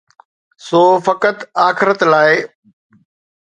سو فقط آخرت لاءِ.